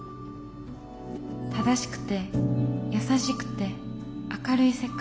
正しくて優しくて明るい世界。